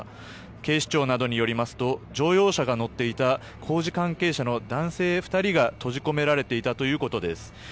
警視庁などによりますと乗用車が乗っていた工事関係者の男性２人が閉じ込められていたということです。